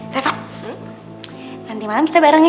reva nanti malem kita bareng ya